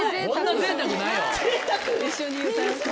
ぜいたく！